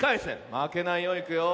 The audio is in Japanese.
まけないよ。いくよ。